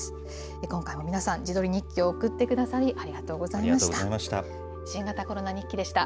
今回も皆さん、自撮り日記を送ってくださり、ありがとうございました。